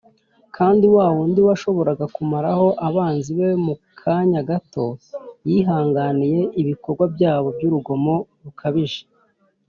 kandi wa wundi washoboraga kumaraho abanzi be mu kanya gato yihanganiye ibikorwa byabo by’urugomo rukabije